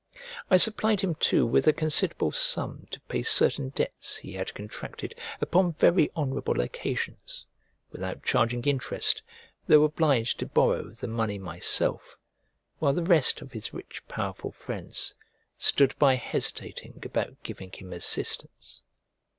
I supplied him too with a considerable sum to pay certain debts he had contracted upon very honourable occasions, without charging interest, though obliged to borrow the money myself, while the rest of his rich powerful friends stood by hesitating about giving him assistance.